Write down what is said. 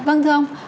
vâng thưa ông